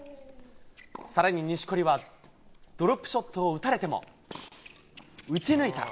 さらに錦織は、ドロップショットを打たれても、打ち抜いた。